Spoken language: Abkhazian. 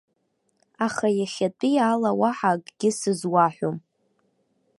Аха иахьатәи ала уаҳа акгьы сызуаҳәом.